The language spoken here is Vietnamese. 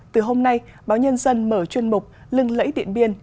từ hôm nay báo nhân dân mở chuyên mục lưng lẫy điện biên